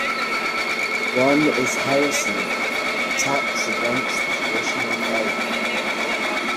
One is heresy, attacks against the traditional Faith.